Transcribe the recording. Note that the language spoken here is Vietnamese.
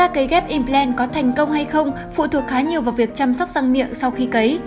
kế ghép implant có thành công hay không phụ thuộc khá nhiều vào việc chăm sóc răng miệng sau khi cấy